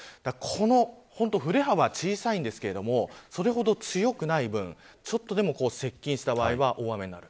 この振れ幅が小さいんですがそれほど強くない分ちょっとでも接近した場合は大雨になる。